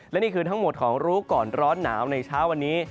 และนี่คือทั้งหมดของรู้ก่อนร้อนหนาวในเช้าวันนี้